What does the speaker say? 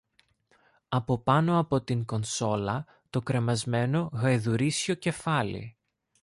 Από πάνω από την κονσόλα το κρεμασμένο γαϊδουρίσιο κεφάλι